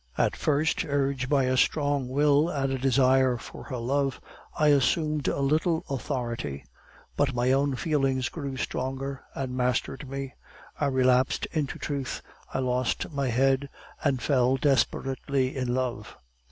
"At first, urged by a strong will and a desire for her love, I assumed a little authority, but my own feelings grew stronger and mastered me; I relapsed into truth, I lost my head, and fell desperately in love.